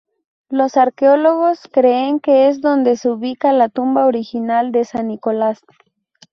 Los arqueólogos creen que es donde se ubica la tumba original de San Nicolás.